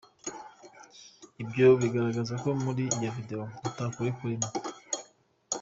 Ivyo bigaragaza ko muri iyo video ata kuri kurimwo.